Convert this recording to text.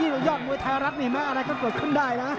แล้วยอดมวยไทยรัฐเห็นไหมอะไรก็เกิดขึ้นได้นะ